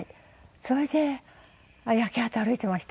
それで焼け跡歩いてました。